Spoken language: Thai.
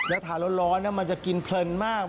แล้วทานร้อนมันจะกินเพลินมาก